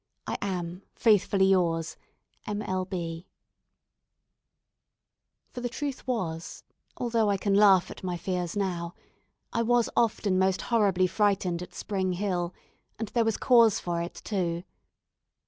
I am, faithfully yours, "M. L. B ." For the truth was although I can laugh at my fears now I was often most horribly frightened at Spring Hill; and there was cause for it too.